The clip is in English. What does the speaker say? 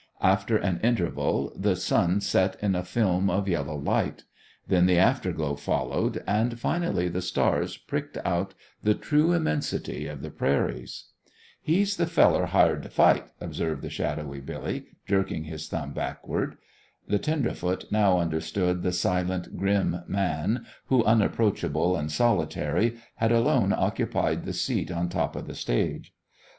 After an interval the sun set in a film of yellow light; then the afterglow followed; and finally the stars pricked out the true immensity of the prairies. "He's the feller hired to fight," observed the shadowy Billy, jerking his thumb backward. The tenderfoot now understood the silent, grim man who, unapproachable and solitary, had alone occupied the seat on top of the stage.